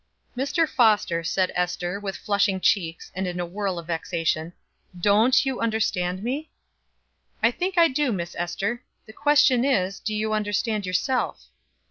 "Mr. Foster," said Ester, with flushing cheeks, and in a whirl of vexation, "don't you understand me?" "I think I do, Miss Ester. The question is, do you understand yourself?